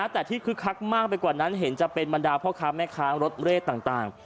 แต่ที่คึกคักมากไปกว่านั้นเห็นจะเป็นบรรดาพ่อค้าแม่ค้ารถเร่ต่าง